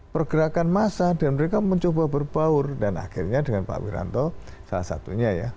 pergerakan massa dan mereka mencoba berbaur dan akhirnya dengan pak wiranto salah satunya ya